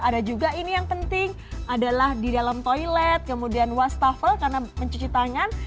ada juga ini yang penting adalah di dalam toilet kemudian wastafel karena mencuci tangan